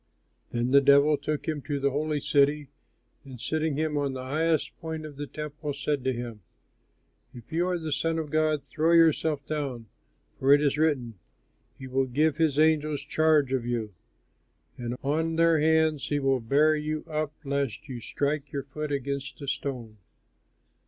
'" Then the devil took him to the holy city and, setting him on the highest point of the Temple, said to him, "If you are the Son of God, throw yourself down; for it is written, "'He will give his angels charge of you, And on their hands they will bear you up, Lest you strike your foot against a stone.'"